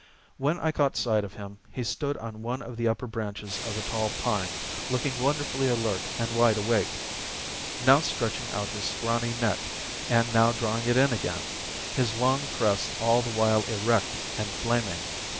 When I caught sight of him, he stood on one of the upper branches of a tall pine, looking wonderfully alert and wide awake; now stretching out his scrawny neck, and now drawing it in again, his long crest all the while erect and flaming.